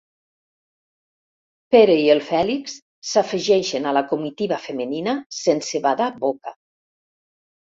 Pere i el Fèlix s'afegeixen a la comitiva femenina sense badar boca.